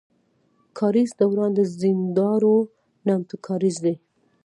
کاريز دوران د زينداور نامتو کاريز دی.